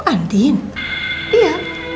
kamu andin iya